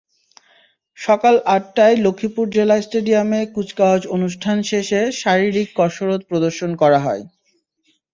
সকাল আটটায় লক্ষ্মীপুর জেলা স্টেডিয়ামে কুচকাওয়াজ অনুষ্ঠান শেষে শারীরিক কসরত প্রদর্শন করা হয়।